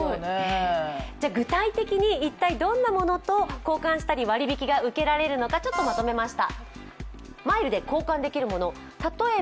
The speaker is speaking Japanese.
具体的に、一体どんなものと交換したり割り引きが受けられるのかちょっとまとめました。